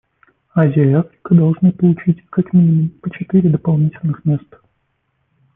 Азия и Африка должны получить, как минимум, по четыре дополнительных места.